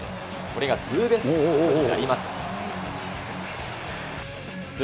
これがツーベースヒットになります。